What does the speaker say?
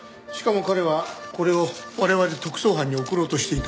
しかも彼はこれを我々特捜班に送ろうとしていた。